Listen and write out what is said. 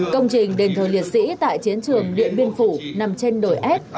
công trình đền thờ liệt sĩ tại chiến trường điện biên phủ nằm trên đồi s